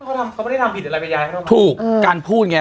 เขาทำเขาไม่ได้ทำผิดอะไรบรรยายเขาถูกการพูดไง